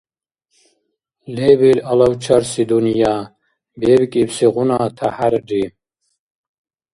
Лебил алавчарси дунъя бебкӏибсигъуна тяхӏярри.